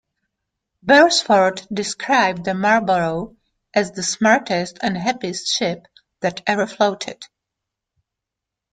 Beresford described the "Marlborough" as "the smartest and happiest ship that ever floated".